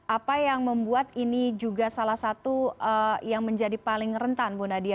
apa yang membuat ini juga salah satu yang menjadi paling rentan bu nadia